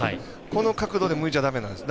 この角度で向いちゃだめなんです。